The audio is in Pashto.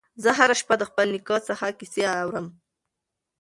زه هره شپه د خپل نیکه څخه کیسې اورم.